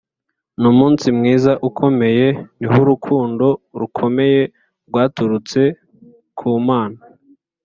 N'umunsi mwiza ukomeye, Ni h' urukundo rukomeye Rwaturutse ku Mana.